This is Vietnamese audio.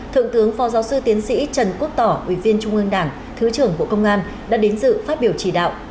thượng tướng phó giáo sư tiến sĩ trần quốc tỏ ủy viên trung ương đảng thứ trưởng bộ công an đã đến dự phát biểu chỉ đạo